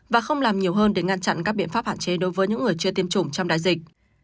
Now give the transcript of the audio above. và không làm nhiều hơn để ngăn chặn các biện pháp hạn chế đối với những người chưa tiêm chủng trong đại dịch